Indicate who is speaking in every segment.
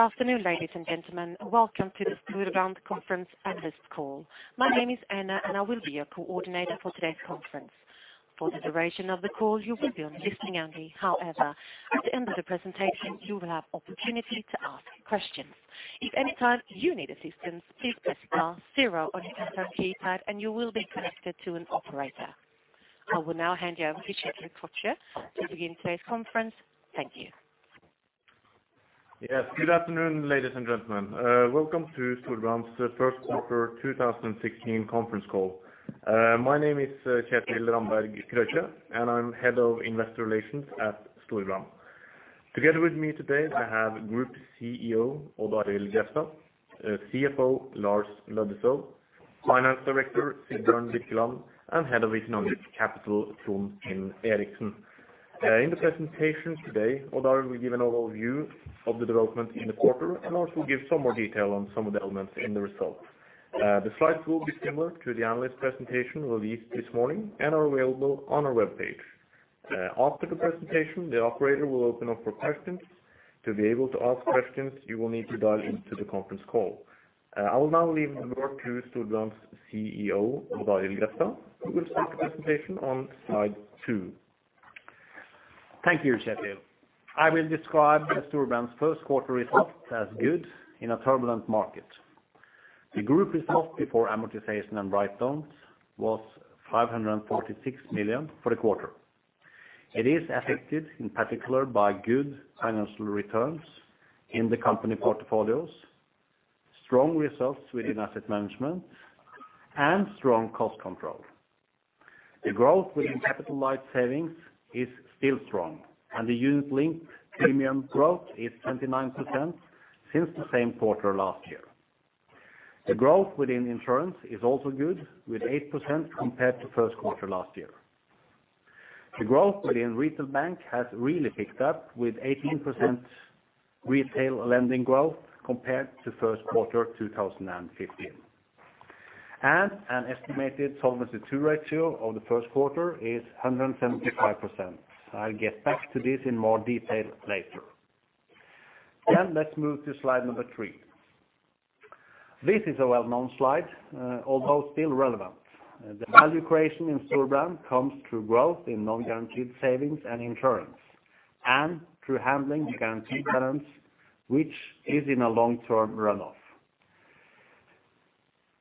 Speaker 1: Good afternoon, ladies and gentlemen. Welcome to the Storebrand Conference Analyst Call. My name is Anna, and I will be your coordinator for today's conference. For the duration of the call, you will be on listening only. However, at the end of the presentation, you will have opportunity to ask questions. If any time you need assistance, please press star zero on your telephone keypad, and you will be connected to an operator. I will now hand you over to Kjetil Krøkje to begin today's conference. Thank you.
Speaker 2: Yes, good afternoon, ladies and gentlemen. Welcome to Storebrand's first quarter 2016 conference call. My name is, Kjetil Ramberg Krøkje, and I'm Head of Investor Relations at Storebrand. Together with me today, I have Group CEO, Odd Arild Grefstad, CFO, Lars Aasulv Løddesøl, Finance Director, Sigbjørn Birkeland, and Head of Economic Capital, Trond Eriksen. In the presentation today, Odd Arild will give an overview of the development in the quarter and also give some more detail on some of the elements in the results. The slides will be similar to the analyst presentation released this morning and are available on our webpage. After the presentation, the operator will open up for questions. To be able to ask questions, you will need to dial into the conference call. I will now leave the word to Storebrand's CEO, Odd Arild Grefstad, who will start the presentation on slide two.
Speaker 3: Thank you, Kjetil. I will describe the Storebrand's first quarter results as good in a turbulent market. The group results before amortization and write-downs was 546 million for the quarter. It is affected, in particular, by good financial returns in the company portfolios, strong results within asset management, and strong cost control. The growth within capital light savings is still strong, and the unit-linked premium growth is 29% since the same quarter last year. The growth within insurance is also good, with 8% compared to first quarter last year. The growth within retail bank has really picked up, with 18% retail lending growth compared to first quarter 2015. And an estimated Solvency II ratio of the first quarter is 175%. I'll get back to this in more detail later. Then let's move to slide number 3. This is a well-known slide, although still relevant. The value creation in Storebrand comes through growth in non-guaranteed savings and insurance, and through handling the guaranteed balance, which is in a long-term run off.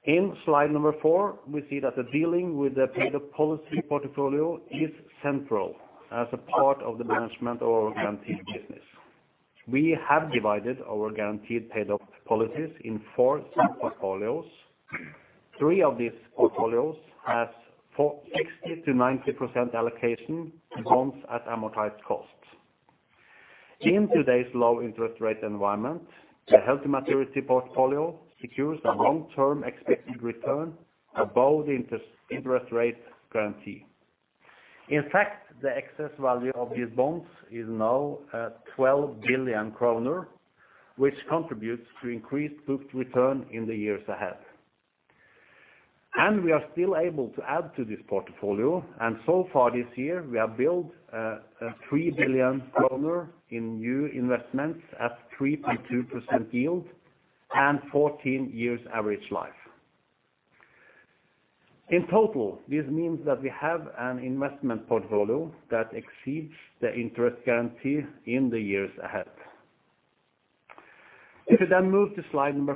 Speaker 3: In slide number 4, we see that the dealing with the paid-up policy portfolio is central as a part of the management of our guaranteed business. We have divided our guaranteed paid-up policies in 4 sub-portfolios. Three of these portfolios has 60%-90% allocation, bonds at amortized cost. In today's low interest rate environment, the healthy maturity portfolio secures a long-term expected return above the interest rate guarantee. In fact, the excess value of these bonds is now at 12 billion kroner, which contributes to increased book return in the years ahead. We are still able to add to this portfolio, and so far this year, we have built NOK 3 billion in new investments at 3.2% yield and 14 years average life. In total, this means that we have an investment portfolio that exceeds the interest guarantee in the years ahead. If you then move to slide 5,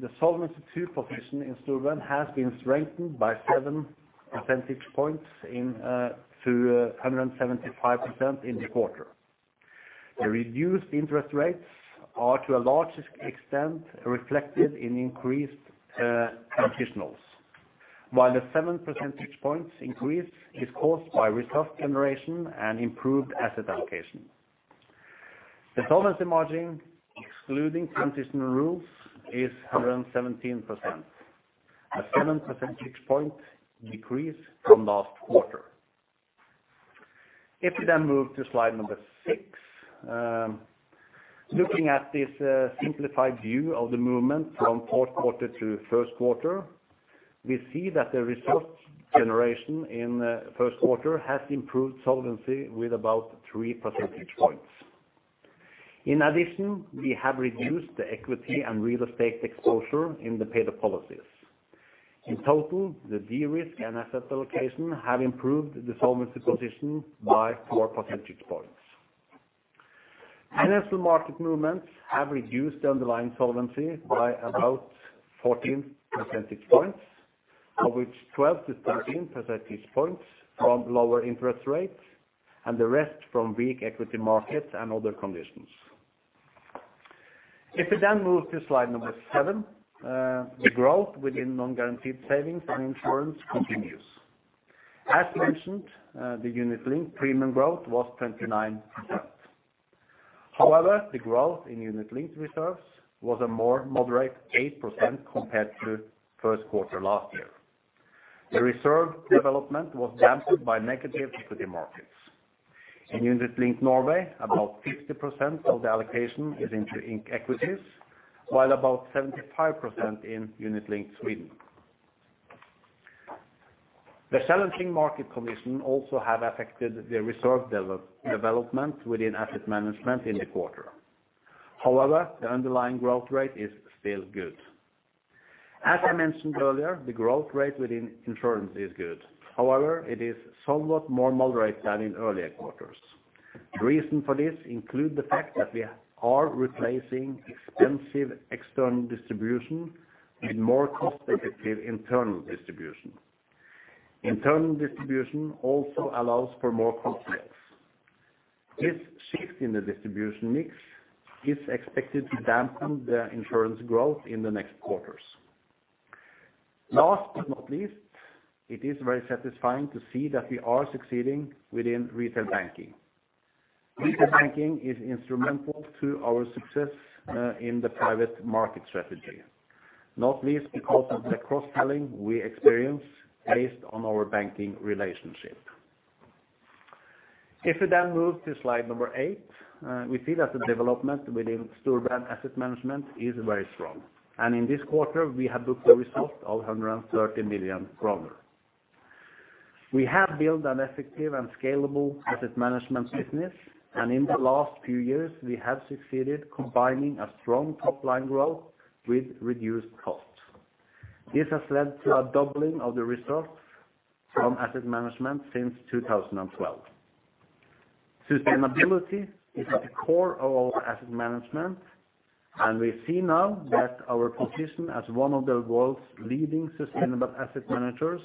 Speaker 3: the Solvency II position in Storebrand has been strengthened by 7 percentage points into 175% in this quarter. The reduced interest rates are, to a large extent, reflected in increased transitionals, while the 7 percentage points increase is caused by result generation and improved asset allocation. The solvency margin, excluding transitional rules, is 117%, a 7 percentage point decrease from last quarter. If you then move to slide number 6, looking at this, simplified view of the movement from fourth quarter to first quarter, we see that the result generation in first quarter has improved solvency with about 3 percentage points. In addition, we have reduced the equity and real estate exposure in the paid-up policies. In total, the de-risk and asset allocation have improved the solvency position by 4 percentage points. Financial market movements have reduced the underlying solvency by about 14 percentage points, of which 12-13 percentage points from lower interest rates, and the rest from weak equity markets and other conditions. If we then move to slide number 7, the growth within non-guaranteed savings and insurance continues. As mentioned, the unit-linked premium growth was 29%. However, the growth in unit-linked reserves was a more moderate 8% compared to first quarter last year. The reserve development was dampened by negative equity markets. In Unit-linked Norway, about 50% of the allocation is into index equities, while about 75% in Unit-linked Sweden. The challenging market condition also have affected the reserve development within asset management in the quarter. However, the underlying growth rate is still good. As I mentioned earlier, the growth rate within insurance is good. However, it is somewhat more moderate than in earlier quarters. The reason for this include the fact that we are replacing expensive external distribution with more cost effective internal distribution. Internal distribution also allows for more cross sales. This shift in the distribution mix is expected to dampen the insurance growth in the next quarters. Last but not least, it is very satisfying to see that we are succeeding within retail banking. Retail banking is instrumental to our success in the private market strategy, not least because of the cross-selling we experience based on our banking relationship. If we then move to slide number 8, we see that the development within Storebrand Asset Management is very strong, and in this quarter, we have booked a result of 130 million kroner. We have built an effective and scalable asset management business, and in the last few years, we have succeeded combining a strong top line growth with reduced costs. This has led to a doubling of the results from asset management since 2012. Sustainability is at the core of our asset management, and we see now that our position as one of the world's leading sustainable asset managers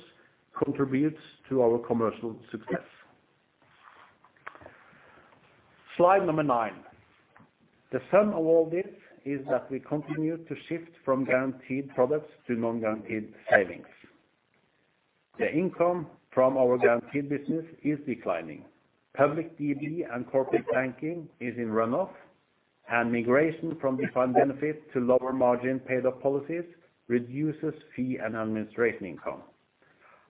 Speaker 3: contributes to our commercial success. Slide number nine. The sum of all this is that we continue to shift from guaranteed products to non-guaranteed savings. The income from our guaranteed business is declining. Public DB and corporate banking is in runoff, and migration from defined benefit to lower margin paid-up policies reduces fee and administration income.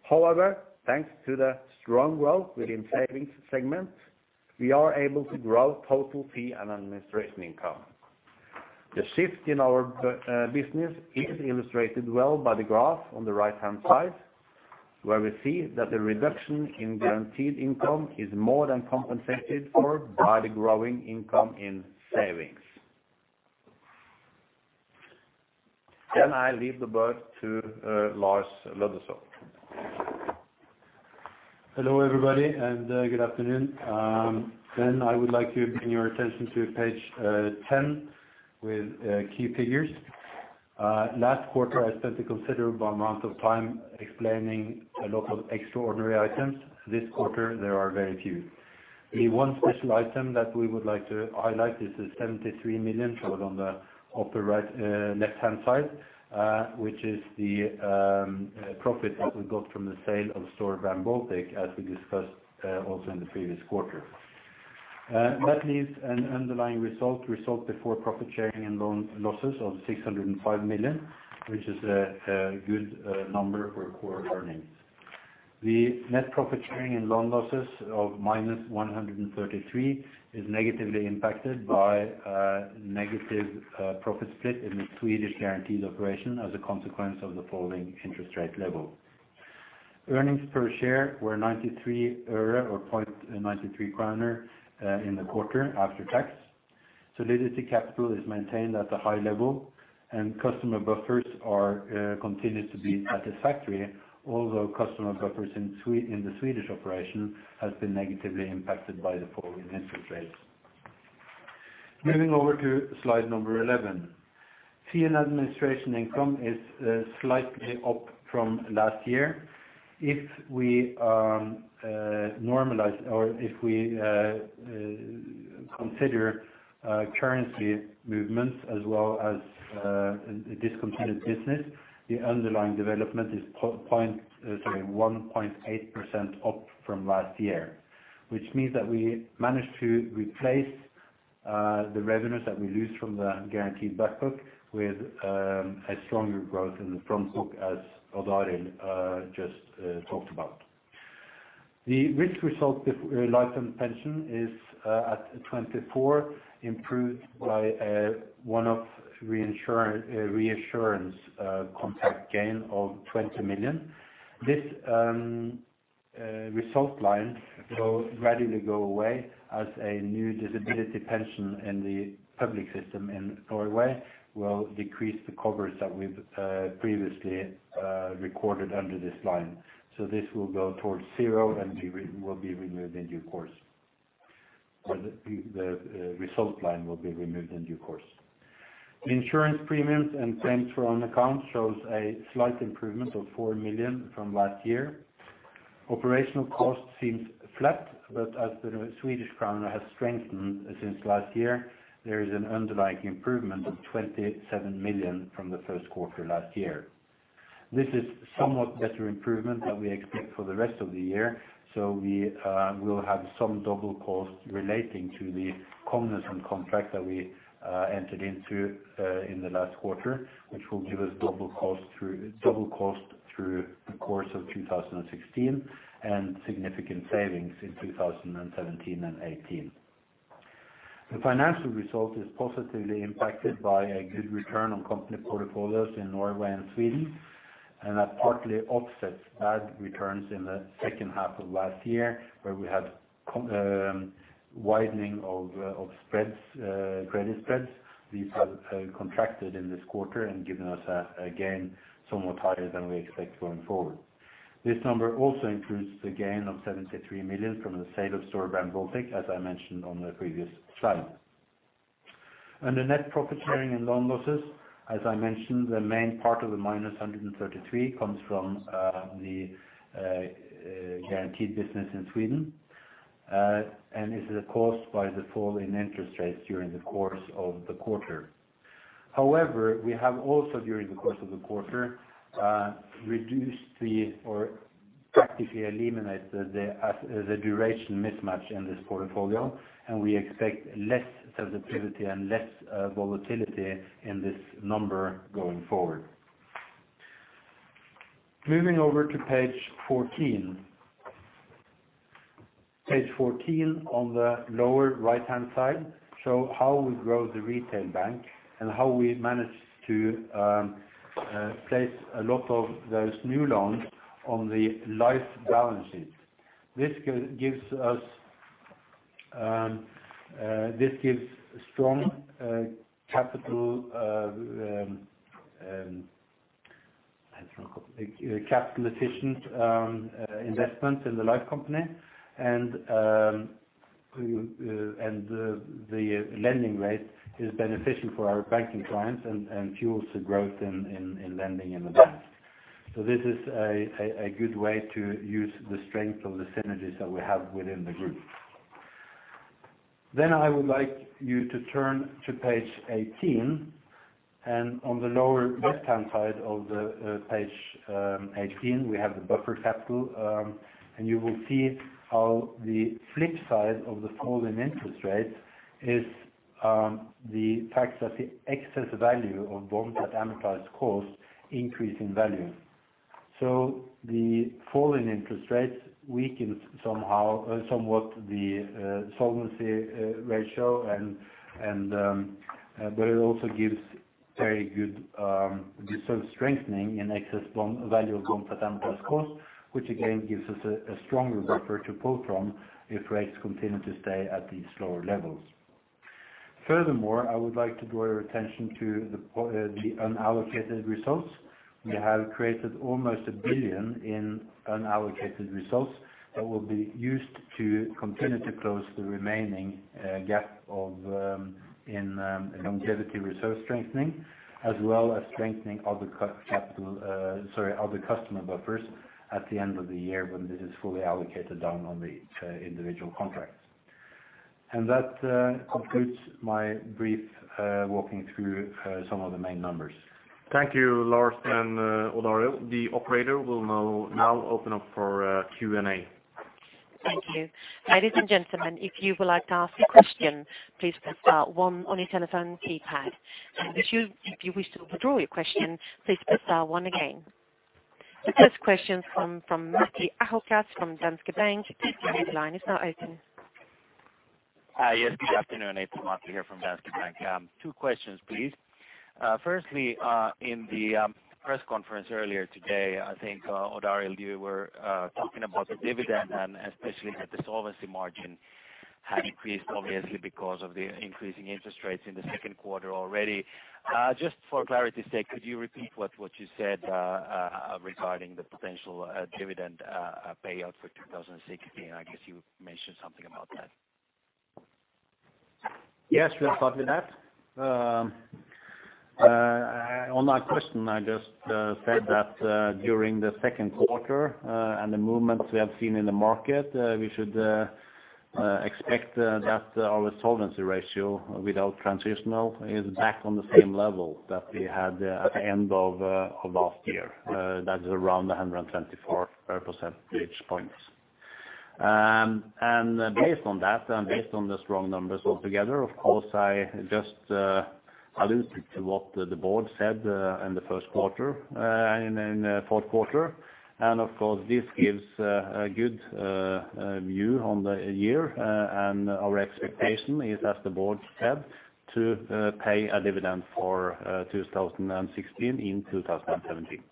Speaker 3: However, thanks to the strong growth within savings segment, we are able to grow total fee and administration income. The shift in our business is illustrated well by the graph on the right-hand side, where we see that the reduction in guaranteed income is more than compensated for by the growing income in savings. Then I leave the floor to Lars Løddesøl.
Speaker 4: Hello, everybody, and good afternoon. I would like to bring your attention to page 10 with key figures. Last quarter, I spent a considerable amount of time explaining a lot of extraordinary items. This quarter, there are very few. The one special item that we would like to highlight is the 73 million shown on the upper right, left-hand side, which is the profit that we got from the sale of Storebrand Baltic, as we discussed also in the previous quarter. That leaves an underlying result, result before profit sharing and loan losses of 605 million, which is a good number for core earnings. The net profit sharing and loan losses of -133 NOK is negatively impacted by negative profit split in the Swedish guaranteed operation as a consequence of the falling interest rate level. Earnings per share were 93 euro or 0.93 kroner in the quarter after tax. Solvency capital is maintained at a high level, and customer buffers are continued to be satisfactory, although customer buffers in the Swedish operation has been negatively impacted by the falling interest rates. Moving over to slide 11. Fee and administration income is slightly up from last year. If we normalize or if we consider currency movements as well as discontinued business, the underlying development is 1.8% up from last year, which means that we managed to replace the revenues that we lose from the guaranteed back book with a stronger growth in the front book, as Odd Arild just talked about. The risk result, the life and pension, is at 24, improved by one-off reinsurance contract gain of 20 million. This result line will gradually go away as a new disability pension in the public system in Norway will decrease the coverage that we've previously recorded under this line. So this will go towards zero and will be removed in due course, or the result line will be removed in due course. The insurance premiums and claims for own account shows a slight improvement of 4 million from last year. Operational costs seems flat, but as the Swedish kronor has strengthened since last year, there is an underlying improvement of 27 million from the first quarter last year. This is somewhat better improvement than we expect for the rest of the year, so we will have some double costs relating to the Cognizant contract that we entered into in the last quarter, which will give us double costs through the course of 2016 and significant savings in 2017 and 2018. The financial result is positively impacted by a good return on company portfolios in Norway and Sweden, and that partly offsets bad returns in the second half of last year, where we had widening of spreads, credit spreads. These have contracted in this quarter and given us a gain somewhat higher than we expect going forward. This number also includes the gain of 73 million from the sale of Storebrand Baltic, as I mentioned on the previous slide. The net profit sharing and loan losses, as I mentioned, the main part of the -133 comes from the guaranteed business in Sweden and is caused by the fall in interest rates during the course of the quarter. However, we have also, during the course of the quarter, reduced the, or practically eliminated the, duration mismatch in this portfolio, and we expect less sensitivity and less volatility in this number going forward. Moving over to page 14. Page 14, on the lower right-hand side, shows how we grow the retail bank and how we managed to place a lot of those new loans on the life balance sheet. This gives us, this gives strong capital efficient investment in the life company. The lending rate is beneficial for our banking clients and fuels the growth in lending in the bank. So this is a good way to use the strength of the synergies that we have within the group. Then I would like you to turn to page 18, and on the lower left-hand side of the page 18, we have the buffer capital, and you will see how the flip side of the fall in interest rates is the fact that the excess value of bonds at amortized cost increase in value. The fall in interest rates weakens somewhat the solvency ratio, and it also gives very good reserve strengthening in excess bond value of bonds at amortized cost, which again gives us a stronger buffer to pull from if rates continue to stay at these lower levels. Furthermore, I would like to draw your attention to the unallocated results. We have created almost 1 billion in unallocated results that will be used to continue to close the remaining gap in longevity reserve strengthening, as well as strengthening other customer buffers at the end of the year when this is fully allocated down on the individual contracts. That concludes my brief walking through some of the main numbers.
Speaker 2: Thank you, Lars and Odd. The operator will now open up for Q&A.
Speaker 1: Thank you. Ladies and gentlemen, if you would like to ask a question, please press one on your telephone keypad. And if you wish to withdraw your question, please press star one again. The first question from Matti Ahokas from Danske Bank. Your line is now open.
Speaker 5: Hi. Yes, good afternoon. It's Matti here from Danske Bank. Two questions, please. Firstly, in the press conference earlier today, I think, Odd Arild, you were talking about the dividend, and especially that the solvency margin had increased, obviously, because of the increasing interest rates in the second quarter already. Just for clarity's sake, could you repeat what you said regarding the potential dividend payout for 2016? I guess you mentioned something about that.
Speaker 4: Yes, we'll start with that. On that question, I just said that during the second quarter and the movements we have seen in the market, we should expect that our solvency ratio without transitional is back on the same level that we had at the end of last year. That is around 124 percentage points. And based on that, and based on the strong numbers altogether, of course, I just alluded to what the board said in the first quarter, in the fourth quarter. And of course, this gives a good view on the year, and our expectation is, as the board said, to pay a dividend for 2016 in 2017.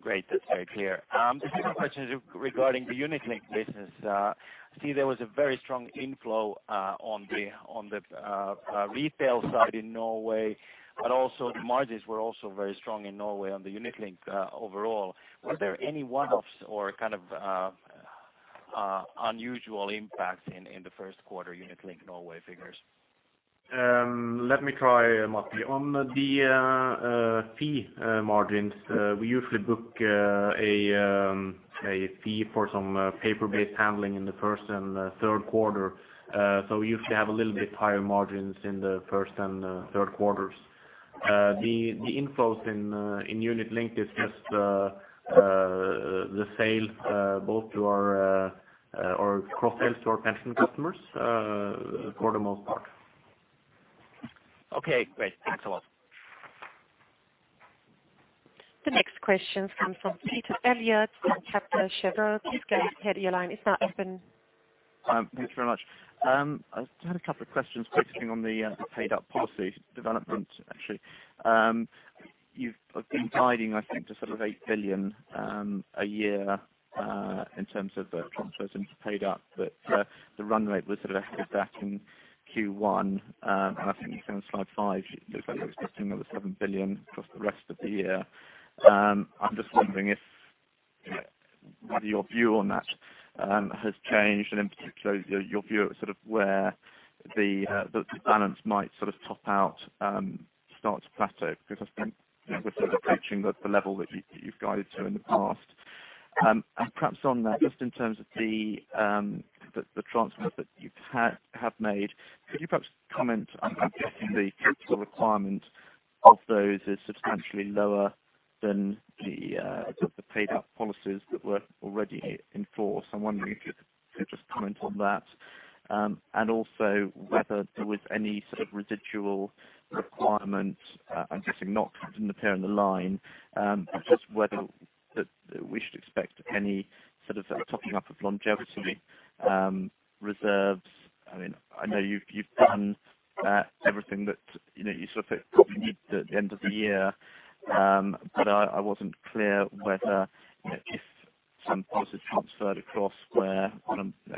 Speaker 5: Great. That's very clear. The second question is regarding the Unit-linked business. I see there was a very strong inflow on the retail side in Norway, but also the margins were also very strong in Norway on the Unit-linked overall. Were there any one-offs or kind of unusual impacts in the first quarter Unit-linked Norway figures?
Speaker 4: Let me try, Matti. On the fee margins, we usually book a fee for some paper-based handling in the first and third quarter. So we usually have a little bit higher margins in the first and third quarters. The inflows in Unit-linked is just the sale both to our or cross-sales to our pension customers for the most part.
Speaker 5: Okay, great. Thanks a lot....
Speaker 1: The next question comes from Peter Eliot from Kepler Cheuvreux. Please go ahead. Your line is now open.
Speaker 6: Thanks very much. I just had a couple of questions focusing on the paid up policy development, actually. You've been guiding, I think, to sort of 8 billion a year in terms of the transfers into paid up, but the run rate was less than that in Q1. I think on slide 5, it looks like it was just another 7 billion across the rest of the year. I'm just wondering if whether your view on that has changed, and in particular, your view of sort of where the balance might sort of top out, start to plateau, because I think we're sort of approaching the level that you've guided to in the past. And perhaps on that, just in terms of the transfers that you have made, could you perhaps comment on the capital requirement of those is substantially lower than the paid-up policies that were already in force? I'm wondering if you could just comment on that. And also whether there was any sort of residual requirement, I'm guessing not, didn't appear in the line. Just whether we should expect any sort of topping up of longevity reserves. I mean, I know you've done everything that, you know, you sort of think you need at the end of the year. But I, I wasn't clear whether, if some policies transferred across where on a,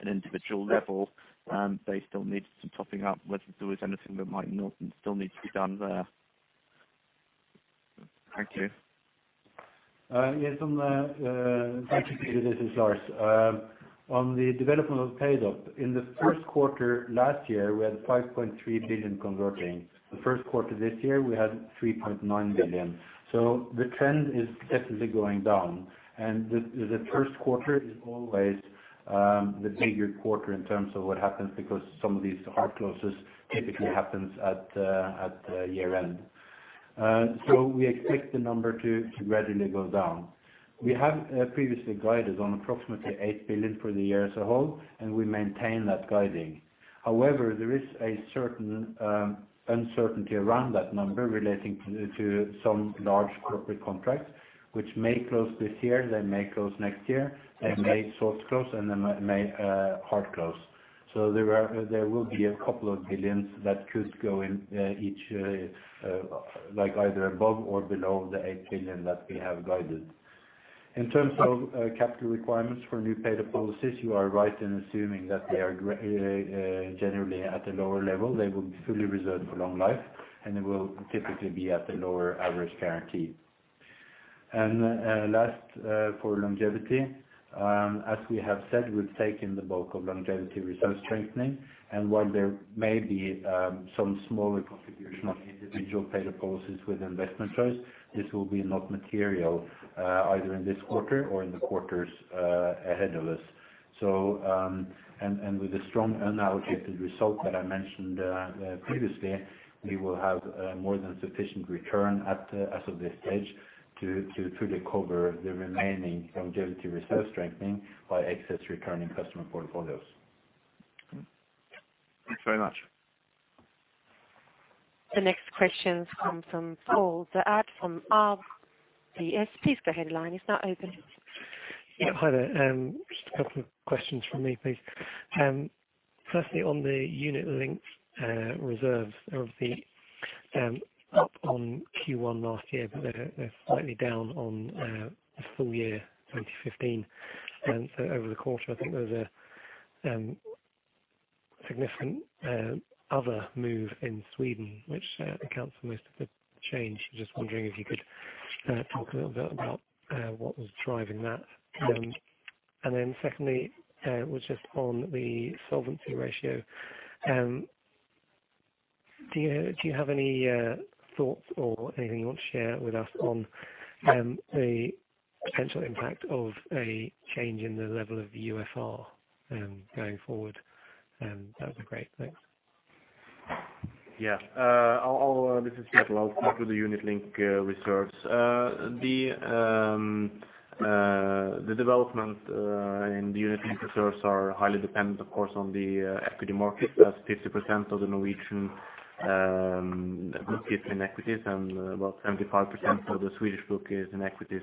Speaker 6: an individual level, they still need some topping up, whether there is anything that might not still need to be done there. Thank you.
Speaker 4: Yes, on the, thank you, Peter, this is Lars. On the development of paid-up, in the first quarter, last year, we had 5.3 billion converting. The first quarter this year, we had 3.9 billion. So the trend is definitely going down, and the first quarter is always the bigger quarter in terms of what happens, because some of these hard closes typically happens at year-end. So we expect the number to gradually go down. We have previously guided on approximately 8 billion for the year as a whole, and we maintain that guiding. However, there is a certain uncertainty around that number relating to some large corporate contracts, which may close this year, they may close next year, they may soft close, and they may hard close. There will be a couple of billions that could go in, each, like either above or below the 8 billion that we have guided. In terms of capital requirements for new paid-up policies, you are right in assuming that they are generally at a lower level. They will be fully reserved for long life, and they will typically be at a lower average guarantee. Last, for longevity, as we have said, we've taken the bulk of longevity reserve strengthening, and while there may be some smaller contribution of individual paid-up policies with investment choice, this will be not material, either in this quarter or in the quarters ahead of us. With the strong analogy, the result that I mentioned previously, we will have more than sufficient return as of this stage to truly cover the remaining longevity reserve strengthening by excess return in customer portfolios.
Speaker 6: Thanks very much.
Speaker 1: The next question comes from Paul De'Ath from RBS. Please go ahead. Line is now open.
Speaker 7: Yeah, hi there. Just a couple of questions from me, please. Firstly, on the unit-linked reserves, they're up on Q1 last year, but they're slightly down on the full year 2015. Over the quarter, I think there was a significant other move in Sweden, which accounts for most of the change. Just wondering if you could talk a little bit about what was driving that. Secondly, just on the solvency ratio, do you have any thoughts or anything you want to share with us on the potential impact of a change in the level of the UFR going forward? That would be great. Thanks.
Speaker 4: Yeah. I'll, I'll, this is Peter. I'll talk to the unit link reserves. The development in the unit link reserves are highly dependent, of course, on the equity market. Plus 50% of the Norwegian book is in equities, and about 75% of the Swedish book is in equities.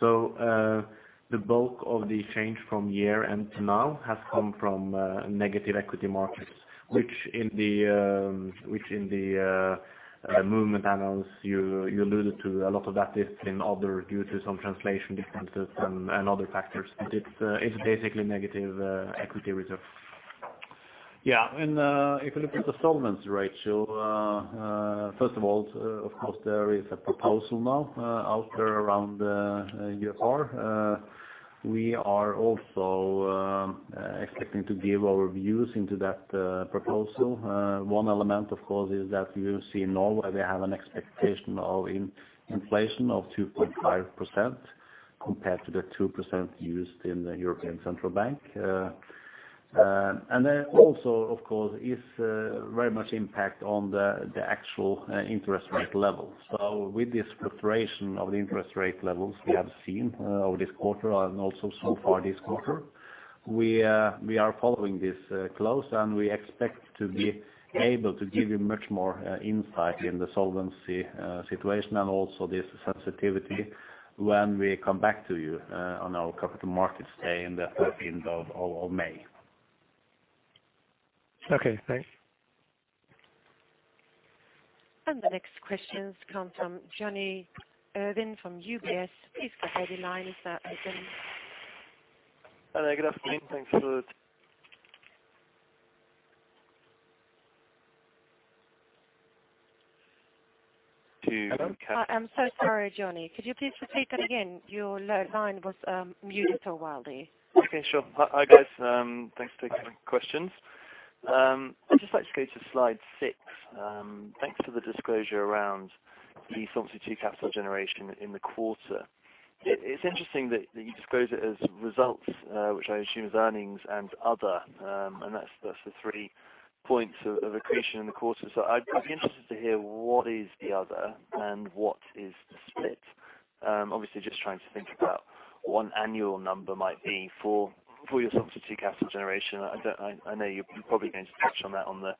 Speaker 4: So, the bulk of the change from year-end to now has come from negative equity markets, which in the movement analysis, you alluded to a lot of that is in other due to some translation differences and other factors, but it's basically negative equity reserve.
Speaker 6: Yeah, and if you look at the solvency ratio, first of all, of course, there is a proposal now out there around the UFR. We are also expecting to give our views into that proposal. One element, of course, is that you see in Norway, we have an expectation of inflation of 2.5% compared to the 2% used in the European Central Bank. ...
Speaker 4: and then also, of course, is very much impact on the actual interest rate level. So with this fluctuation of the interest rate levels we have seen over this quarter and also so far this quarter, we are following this close, and we expect to be able to give you much more insight in the solvency situation and also this sensitivity when we come back to you on our capital markets day in the thirteenth of May.
Speaker 5: Okay, thanks.
Speaker 1: The next questions come from Jonny Urwin from UBS. Please go ahead, the line is now open.
Speaker 8: Hello, good afternoon. Thanks for-
Speaker 9: To-
Speaker 1: I am so sorry, Jonny. Could you please repeat that again? Your line was muted or awhile.
Speaker 8: Okay, sure. Hi, guys, thanks for taking the questions. I'd just like to go to slide 6. Thanks for the disclosure around the Solvency II capital generation in the quarter. It's interesting that you disclose it as results, which I assume is earnings and other, and that's the 3 points of accretion in the quarter. So I'd be interested to hear what is the other and what is the split? Obviously, just trying to think about what an annual number might be for your solvency capital generation. I don't—I know you're probably going to touch on that on the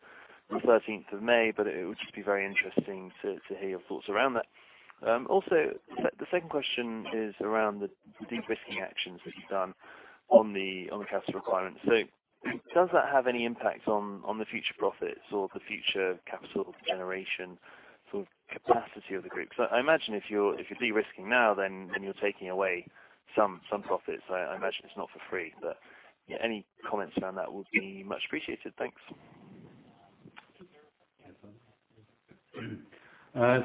Speaker 8: thirteenth of May, but it would just be very interesting to hear your thoughts around that. Also, the second question is around the de-risking actions that you've done on the capital requirement. So does that have any impact on the future profits or the future capital generation sort of capacity of the group? So I imagine if you're de-risking now, then you're taking away some profits. I imagine it's not for free, but yeah, any comments around that would be much appreciated. Thanks.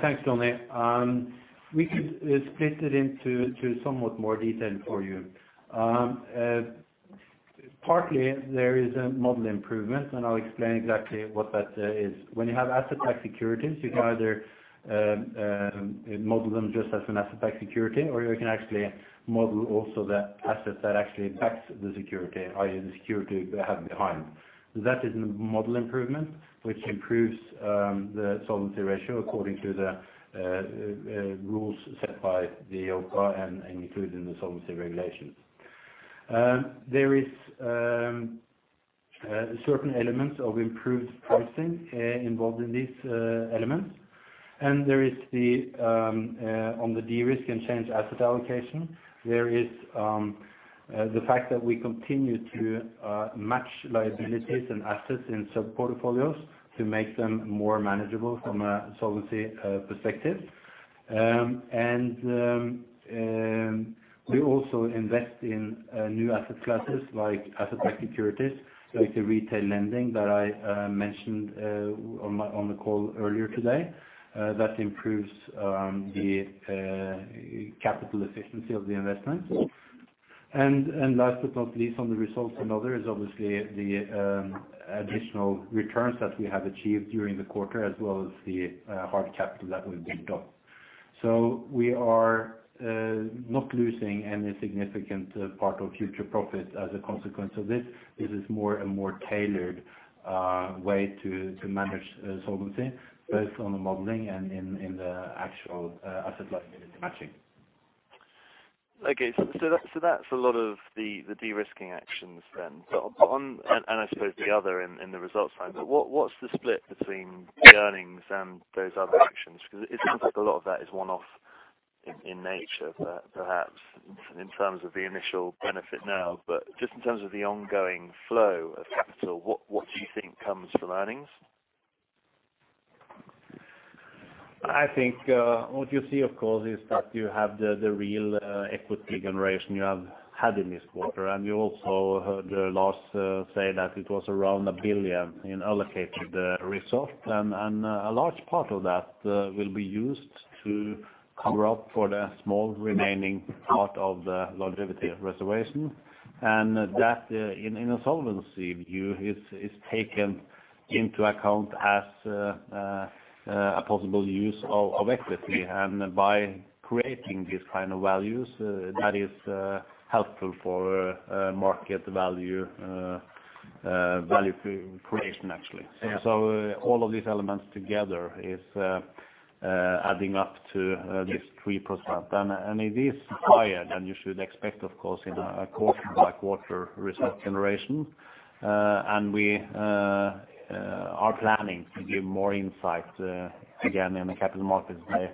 Speaker 4: Thanks, Jonny. We could split it into somewhat more detail for you. Partly, there is a model improvement, and I'll explain exactly what that is. When you have asset-backed securities, you can either model them just as an asset-backed security, or you can actually model also the assets that actually backs the security, i.e., the security you have behind. That is model improvement, which improves the solvency ratio according to the rules set by the EIOPA and included in the solvency regulations. There is certain elements of improved pricing involved in these elements. And there is, on the de-risk and change asset allocation, the fact that we continue to match liabilities and assets in sub-portfolios to make them more manageable from a solvency perspective. And we also invest in new asset classes like asset-backed securities, like the retail lending that I mentioned on my... on the call earlier today. That improves the capital efficiency of the investment. And last but not least, on the results and others, is obviously the additional returns that we have achieved during the quarter, as well as the hard capital that we've built up. So we are not losing any significant part of future profit as a consequence of this. This is more, a more tailored way to manage solvency, both on the modeling and in the actual asset liability matching.
Speaker 8: Okay. So that's a lot of the de-risking actions then. But on the other in the results frame, but what's the split between the earnings and those other actions? Because it seems like a lot of that is one-off in nature, perhaps, in terms of the initial benefit now. But just in terms of the ongoing flow of capital, what do you think comes from earnings?
Speaker 4: I think what you see, of course, is that you have the real equity generation you have had in this quarter. And you also heard Lars say that it was around 1 billion in allocated risk. And a large part of that will be used to cover up for the small remaining part of the longevity reserve. And that, in a solvency view, is taken into account as a possible use of equity. And by creating these kind of values, that is helpful for market value creation, actually. So all of these elements together is adding up to this 3%. And it is higher than you should expect, of course, in a quarter like quarter risk generation. And we are planning to give more insight, again, in the Capital Markets Day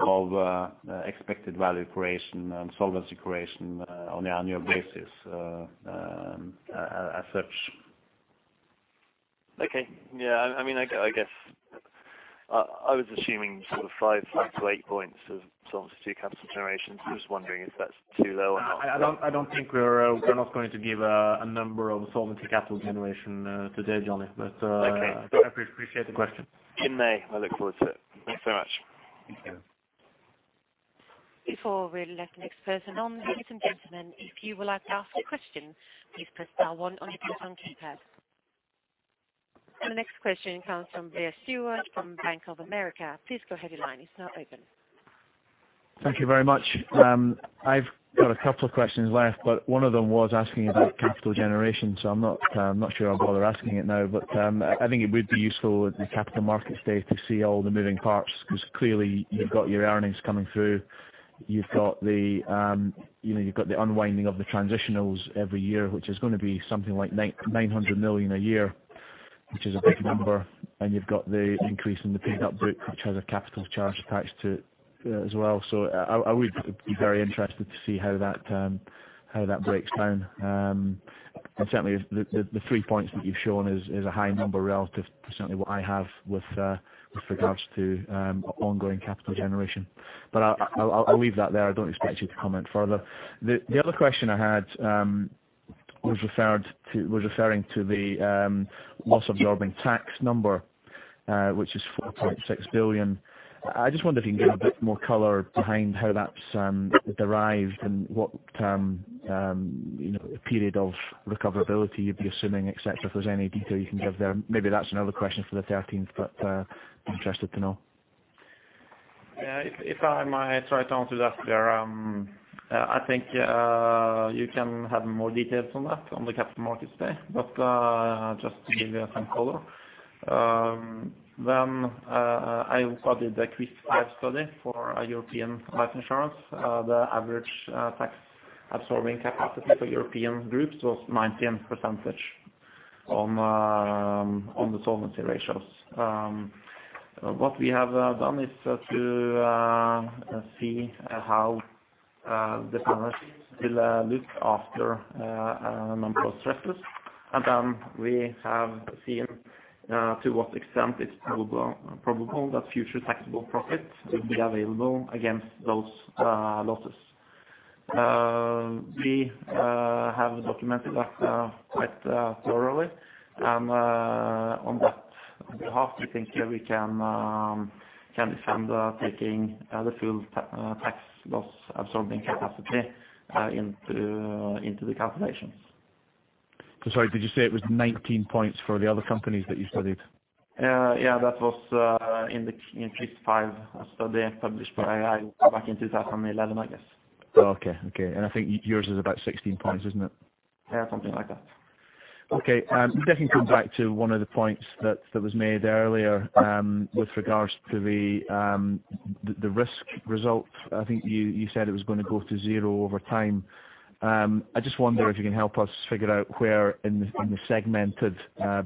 Speaker 4: of expected value creation and solvency creation, on an annual basis, as such.
Speaker 8: Okay. Yeah, I mean, I guess I was assuming sort of 5-8 points of solvency capital generation. I'm just wondering if that's too low or not.
Speaker 4: I don't think we're not going to give a number of solvency capital generation today, Johnny, but-
Speaker 8: Okay.
Speaker 4: I appreciate the question.
Speaker 8: In May, I look forward to it. Thanks so much.
Speaker 4: Thank you.
Speaker 1: Before we let the next person on, ladies and gentlemen, if you would like to ask questions, please press star one on your phone keypad... Our next question comes from Blair Stewart from Bank of America. Please go ahead, your line is now open.
Speaker 10: Thank you very much. I've got a couple of questions left, but one of them was asking about capital generation, so I'm not, I'm not sure I'll bother asking it now. But, I think it would be useful at the capital markets day to see all the moving parts, because clearly you've got your earnings coming through. You've got the, you know, you've got the unwinding of the transitionals every year, which is going to be something like 900 million a year, which is a big number. And you've got the increase in the paid up book, which has a capital charge attached to it as well. So I, I would be very interested to see how that, how that breaks down. Certainly the three points that you've shown is a high number relative to certainly what I have with regards to ongoing capital generation. But I'll leave that there. I don't expect you to comment further. The other question I had was referring to the loss absorbing tax number, which is 4.6 billion. I just wonder if you can give a bit more color behind how that's derived and what you know, period of recoverability you'd be assuming, et cetera, if there's any detail you can give there. Maybe that's another question for the thirteenth, but I'm interested to know.
Speaker 11: Yeah, if I might try to answer that, Blair. I think you can have more details on that on the capital markets day. But just to give you some color, then I also did a case study for a European life insurance. The average tax absorbing capacity for European groups was 19% on the solvency ratios. What we have done is to see how the balance sheets will look after a number of stresses. And we have seen to what extent it's probable that future taxable profits will be available against those losses. We have documented that quite thoroughly. On that behalf, we think that we can defend taking the full loss absorbing capacity of deferred taxes into the calculations.
Speaker 10: So sorry, did you say it was 19 points for the other companies that you studied?
Speaker 11: Yeah, that was in the QIS5 study published by I back in 2011, I guess.
Speaker 10: Okay. Okay, and I think yours is about 16 points, isn't it?
Speaker 11: Yeah, something like that.
Speaker 10: Okay. Just coming back to one of the points that was made earlier, with regards to the risk result. I think you said it was going to go to zero over time. I just wonder if you can help us figure out where in the segmented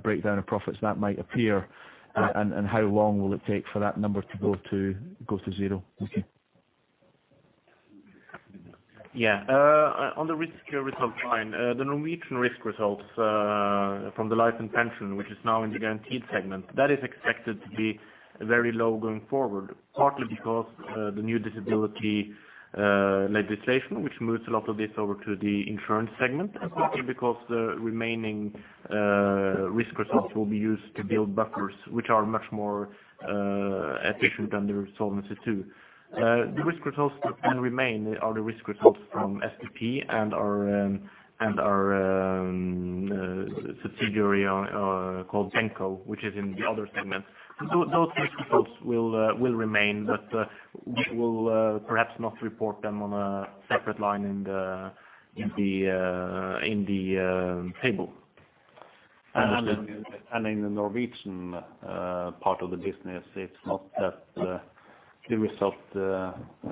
Speaker 10: breakdown of profits that might appear, and how long will it take for that number to go to zero? Thank you.
Speaker 12: Yeah. On the risk result line, the Norwegian risk results from the life and pension, which is now in the guaranteed segment, that is expected to be very low going forward, partly because the new disability legislation, which moves a lot of this over to the insurance segment, and partly because the remaining risk results will be used to build buffers, which are much more efficient than the Solvency II. The risk results that will remain are the risk results from SPP and our subsidiary called BenCo, which is in the other segment. Those risk results will remain, but we will perhaps not report them on a separate line in the table.
Speaker 11: In the Norwegian part of the business, it's not that the result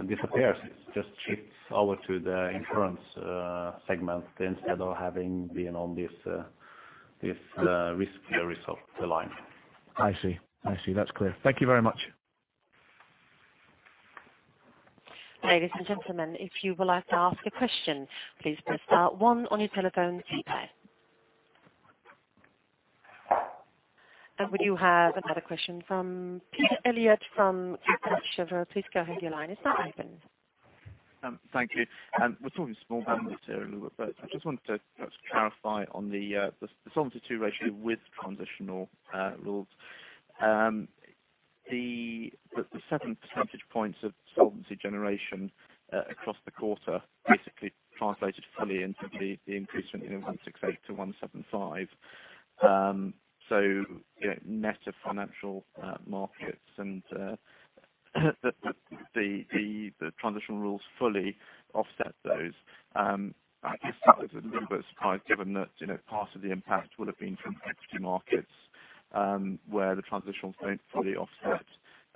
Speaker 11: disappears. It just shifts over to the insurance segment, instead of having been on this risk result line.
Speaker 10: I see. I see. That's clear. Thank you very much.
Speaker 1: Ladies and gentlemen, if you would like to ask a question, please press star one on your telephone keypad. We do have another question from Peter Elliott, from Kepler Cheuvreux. Please go ahead. Your line is now open.
Speaker 6: Thank you. We're talking small numbers here a little bit, but I just wanted to just clarify on the Solvency II ratio with transitional rules. The 7 percentage points of solvency generation across the quarter basically translated fully into the increase from 168 to 175. So, you know, net of financial markets and the transitional rules fully offset those. I guess that was a little bit of surprise, given that, you know, part of the impact will have been from equity markets, where the transitional don't fully offset.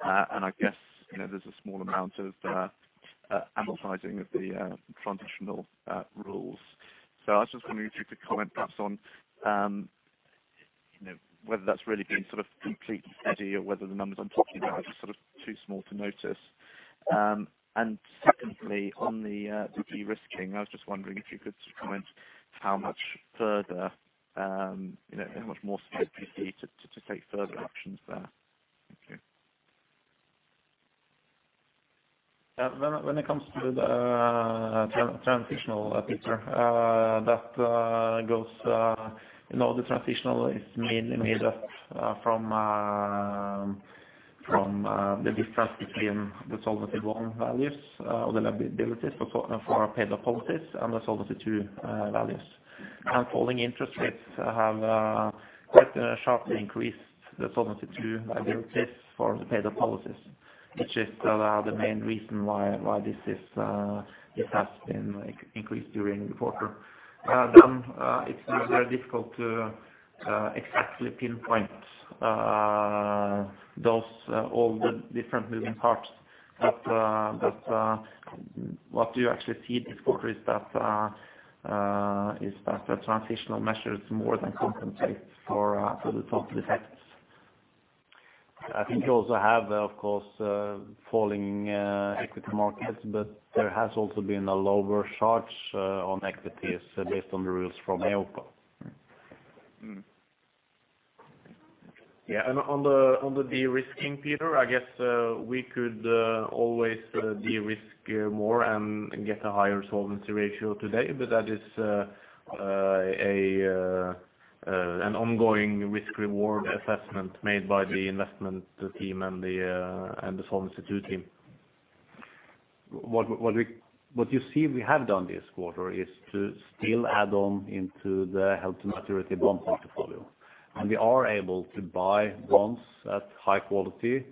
Speaker 6: And I guess, you know, there's a small amount of amortizing of the transitional rules. So I was just wondering if you could comment perhaps on, you know, whether that's really been sort of complete steady or whether the numbers I'm talking about are sort of too small to notice? And secondly, on the de-risking, I was just wondering if you could comment how much further, you know, how much more space you see to take further actions there. Thank you.
Speaker 11: When it comes to the transitional picture, that goes, you know, the transitional is mainly made up from the difference between the Solvency I values or the liabilities for our paid-up policies and the Solvency II values. And falling interest rates have quite sharply increased the Solvency II liabilities for the paid-up policies, which is the main reason why this has been increased during the quarter. Then it's very difficult to exactly pinpoint all the different moving parts. But what you actually see this quarter is that the transitional measures more than compensate for the total effects.
Speaker 13: I think you also have, of course, falling equity markets, but there has also been a lower charge on equities based on the rules from AOCO.
Speaker 11: Mm-hmm.
Speaker 13: Yeah, and on the de-risking, Peter, I guess we could always de-risk more and get a higher solvency ratio today, but that is an ongoing risk reward assessment made by the investment team and the Solvency II team. What you see we have done this quarter is to still add on into the held maturity bond portfolio. And we are able to buy bonds at high quality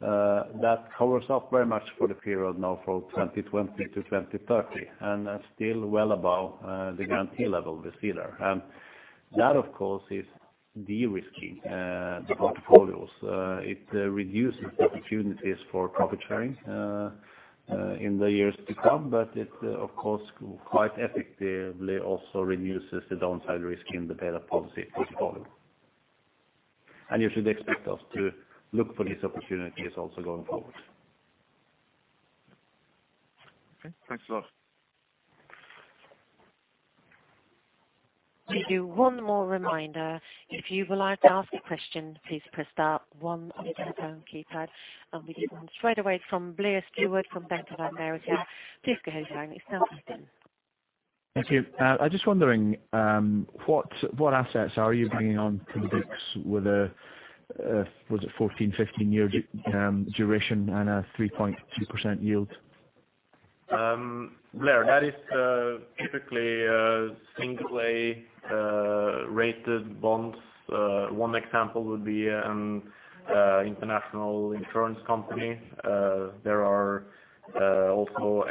Speaker 13: that covers up very much for the period now from 2020 to 2030, and are still well above the guarantee level this year. And that, of course, is de-risking the portfolios. It reduces the opportunities for profit sharing in the years to come, but it, of course, quite effectively also reduces the downside risk in the paid-up policy portfolio. You should expect us to look for these opportunities also going forward.
Speaker 6: Okay, thanks a lot.
Speaker 1: To give you one more reminder, if you would like to ask a question, please press star one on your phone keypad, and we get one straight away from Blair Stewart from Bank of America. Please go ahead, line is now open.
Speaker 10: Thank you. I'm just wondering, what assets are you bringing on to the books with a, was it 14-15-year duration and a 3.2% yield?
Speaker 11: Blair, that is typically single A rated bonds. One example would be international insurance company. There are also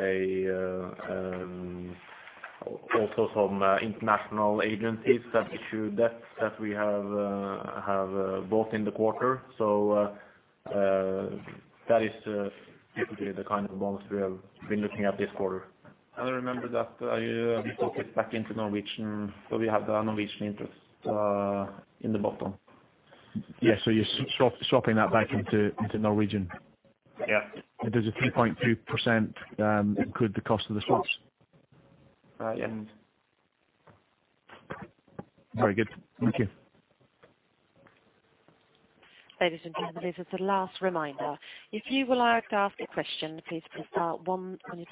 Speaker 11: some international agencies that issue debts that we have bought in the quarter. So, that is typically the kind of bonds we have been looking at this quarter.
Speaker 13: Remember that we took it back into Norwegian, so we have the Norwegian interest in the bottom.
Speaker 10: Yeah, so you're swapping that back into Norwegian?
Speaker 11: Yeah.
Speaker 10: There's a 3.2%, include the cost of the swaps?
Speaker 11: Uh, yes.
Speaker 10: Very good. Thank you.
Speaker 1: Ladies and gentlemen, this is the last reminder. If you would like to ask a question, please press star one on your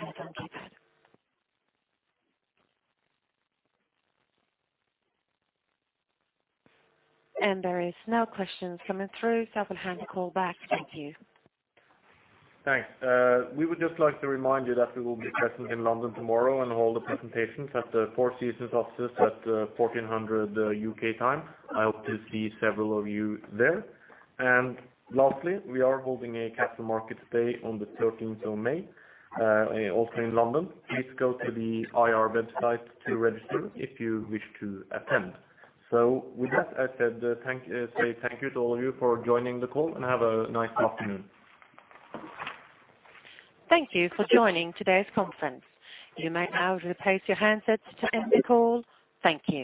Speaker 1: phone keypad. There is no questions coming through, so I will hand the call back to you.
Speaker 2: Thanks. We would just like to remind you that we will be present in London tomorrow and hold the presentations at the Four Seasons offices at 2:00 P.M. UK time. I hope to see several of you there. And lastly, we are holding a capital markets day on the thirteenth of May, also in London. Please go to the IR website to register if you wish to attend. So with that, I said thank you, say thank you to all of you for joining the call, and have a nice afternoon.
Speaker 1: Thank you for joining today's conference. You may now replace your handsets to end the call. Thank you.